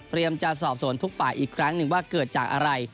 จะสอบสวนทุกฝ่ายอีกครั้งหนึ่งว่าเกิดจากอะไร